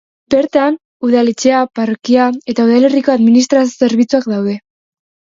Bertan, udaletxea, parrokia eta udalerriko administrazio zerbitzuak daude.